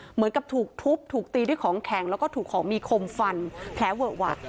เหมือนกับถูกทุบถูกตีด้วยของแข็งแล้วก็ถูกของมีคมฟันแผลเวอะวะ